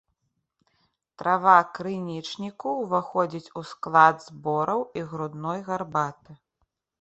Трава крынічніку ўваходзіць у склад збораў і грудной гарбаты.